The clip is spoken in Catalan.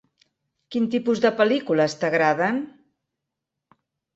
Quin tipus de pel·lícules t'agraden?